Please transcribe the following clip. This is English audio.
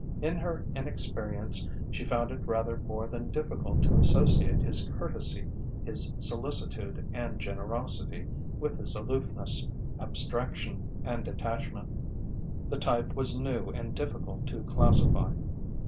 In her inexperience she found it rather more than difficult to associate his courtesy, his solicitude and generosity with his aloofness, abstraction and detachment: the type was new and difficult to classify.